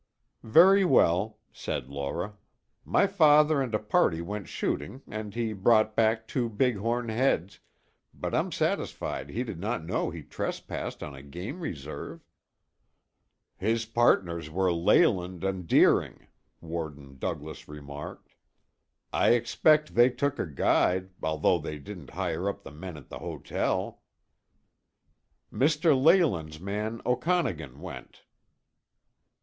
"Very well," said Laura. "My father and a party went shooting and he brought back two big horn heads, but I'm satisfied he did not know he trespassed on a game reserve." "His partners were Leyland and Deering," warden Douglas remarked. "I expect they took a guide, although they didn't hire up the men at the hotel." "Mr. Leyland's man, Okanagan, went."